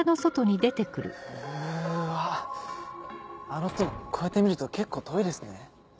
あの塔こうやって見ると結構遠いですね。